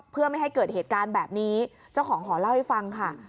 เพื่อไม่ให้เกิดเหตุการณ์แบบนี้เจ้าของหอเล่าให้ฟังค่ะ